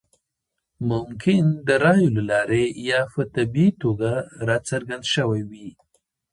ممکن د رایو له لارې یا په طبیعي توګه راڅرګند شوی وي.